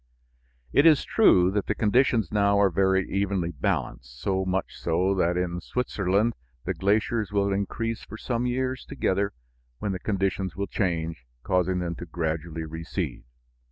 It is true that the conditions now are very evenly balanced, so much so that in Switzerland the glaciers will increase for some years together, when the conditions will change, causing them to gradually recede.